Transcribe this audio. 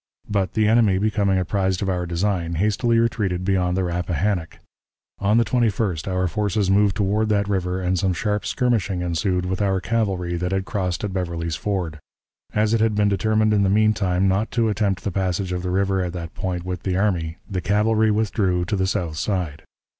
But, the enemy becoming apprised of our design, hastily retreated beyond the Rappahannock. On the 21st our forces moved toward that river, and some sharp skirmishing ensued with our cavalry that had crossed at Beverly's Ford. As it had been determined in the mean time not to attempt the passage of the river at that point with the army, the cavalry withdrew to the south side.